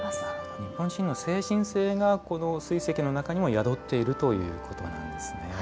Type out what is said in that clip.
日本人の精神性が水石の中にも宿っているということなんですね。